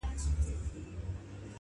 پر اوښتي تر نیوي وه زیات کلونه-